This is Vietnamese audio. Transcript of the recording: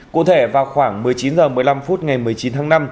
cụ thể vào khoảng một mươi chín h một mươi năm phút ngày một mươi chín tháng năm